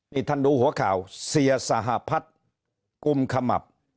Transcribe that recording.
นี่ท่านดูหัวข่าวเสียสหพัฒน์กุมขมับ